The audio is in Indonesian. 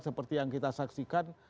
seperti yang kita saksikan